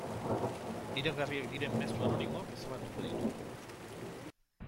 Iraingarriak diren mezu anonimoak ezabatuko ditut.